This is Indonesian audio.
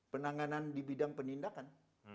penanganan di bidang penindakan